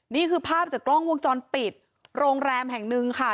นี่คือภาพจากกล้องวงจรปิดโรงแรมแห่งหนึ่งค่ะ